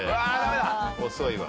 遅いわ。